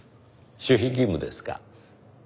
守秘義務ですか。